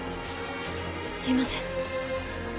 すいません。